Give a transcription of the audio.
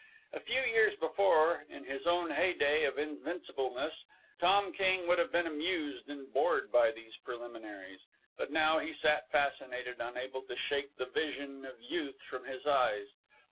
A few years before, in his own heyday of invincibleness, Tom King would have been amused and bored by these preliminaries. But now he sat fascinated, unable to shake the vision of Youth from his eyes.